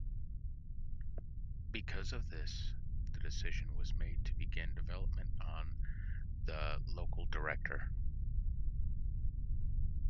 Because of this, the decision was made to begin development on the LocalDirector.